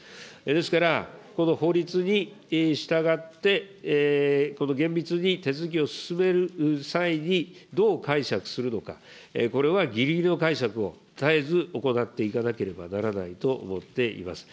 ですから、この法律に従って、この厳密に手続きを進める際にどう解釈するのか、これはぎりぎりの解釈を絶えず行っていかなければならないと思っています。